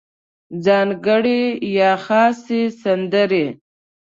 ځانګړې یا خاصې سندرې